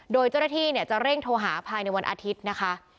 โดยเจ้าหน้าที่จะเร่งโทรหาภายในวันอาทิตย์นะคะ